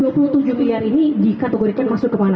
dua puluh tujuh miliar ini dikategorikan masuk ke mana